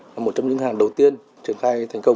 là một trong những hàng đầu tiên triển khai thành công